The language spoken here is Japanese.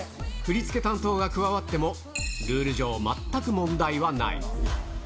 振り付け担当が加わっても、ルール上、全く問題はない。